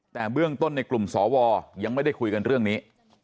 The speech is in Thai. แต่เบื้องต้นในกลุ่มสวยังไม่ได้คุยกันเรื่องนี้